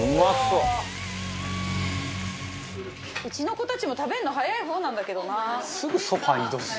うちの子たちも食べるの早い方なんだけどな。